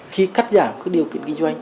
khi cắt giảm các điều kiện kinh doanh